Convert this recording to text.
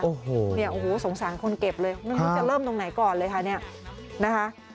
โอ้โหเนี่ยโอ้โหสงสารคนเก็บเลยไม่รู้จะเริ่มตรงไหนก่อนเลยค่ะเนี่ยนะคะ